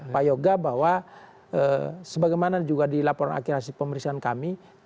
pak yoga bahwa sebagaimana juga dilaporin akhirasi pemeriksaan kami